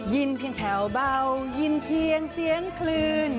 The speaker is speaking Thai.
ินเพียงแถวเบายินเพียงเสียงคลื่น